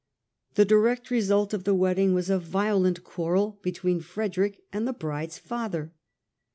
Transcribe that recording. The direct result of the wedding was a violent quarrel between Frederick and the bride's father.